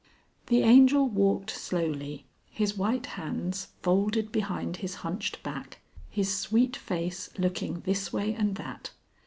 The Angel walked slowly, his white hands folded behind his hunched back, his sweet face looking this way and that.